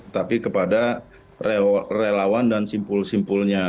tapi kepada relawan dan simpul simpulnya